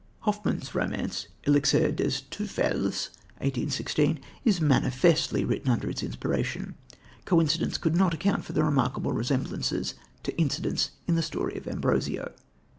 Hoffmann's romance, Elixir des Teufels (1816), is manifestly written under its inspiration. Coincidence could not account for the remarkable resemblances to incidents in the story of Ambrosio.